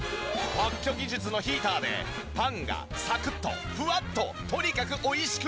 特許技術のヒーターでパンがサクッとフワッととにかく美味しく焼ける！